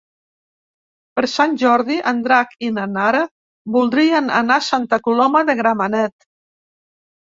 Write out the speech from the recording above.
Per Sant Jordi en Drac i na Nara voldrien anar a Santa Coloma de Gramenet.